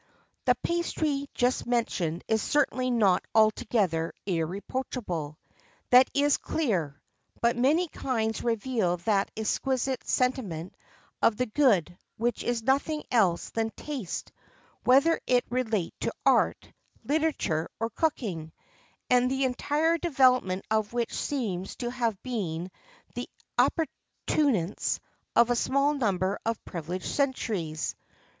The pastry just mentioned is certainly not altogether irreproachable that is clear; but many kinds reveal that exquisite sentiment of the good which is nothing else than taste whether it relate to art, literature or cooking and the entire development of which seems to have been the appurtenance of a small number of privileged centuries.